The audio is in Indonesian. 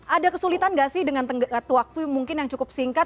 ada kesulitan gak sih dengan waktu mungkin yang cukup singkat